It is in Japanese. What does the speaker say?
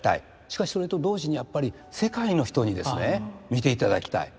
しかしそれと同時にやっぱり世界の人にですね見ていただきたい。